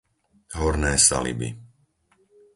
Horné Saliby